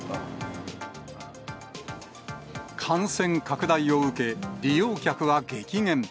感染拡大を受け、利用客は激減。